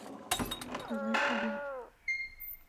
Колет уло?